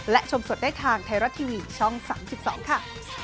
และชมสดได้ทางไทยรัฐทีวีช่อง๓๒ค่ะ